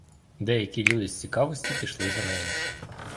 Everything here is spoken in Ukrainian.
Деякі люди з цікавості пішли за нею.